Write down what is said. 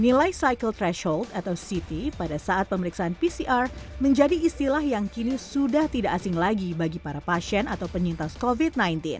nilai cycle threshold atau ct pada saat pemeriksaan pcr menjadi istilah yang kini sudah tidak asing lagi bagi para pasien atau penyintas covid sembilan belas